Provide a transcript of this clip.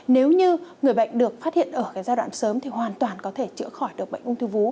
nếu như người bệnh được phát hiện ở cái giai đoạn sớm thì hoàn toàn có thể chữa khỏi được bệnh ung thư vú